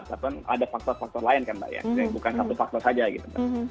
tapi kan ada faktor faktor lain kan mbak ya bukan satu faktor saja gitu